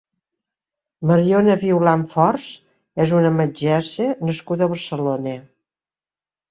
Mariona Violán Fors és una metgessa nascuda a Barcelona.